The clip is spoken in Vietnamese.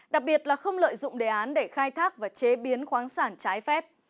đặc biệt là không lợi dụng đề án để khai thác và chế biến khoáng sản trái phép